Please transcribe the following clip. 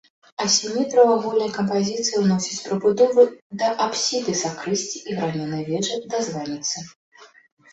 Асіметрыю ў агульную кампазіцыю ўносяць прыбудовы да апсіды сакрысціі і гранёнай вежы да званіцы.